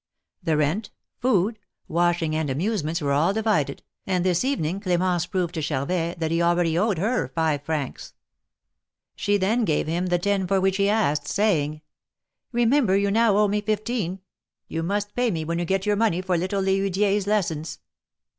The rent, food, washing and amusements were all divided, and this evening CRmence proved to Charvet that he already owed her five francs. She then gave him the ten for which he asked, saying : Remember you now owe me fifteen ! You must pay me when you get your money for little L6hudier's lessons."